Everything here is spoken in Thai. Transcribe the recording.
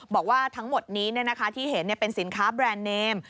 บอกว่าทั้งหมดนี้เนี่ยนะคะที่เห็นเนี่ยเป็นสินค้าแบรนด์เนม